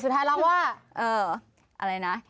สุดท้ายร้องว่า